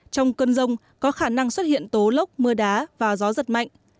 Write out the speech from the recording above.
trong cơn rông có khả năng xuất hiện tố lốc mưa đá và gió giật mạnh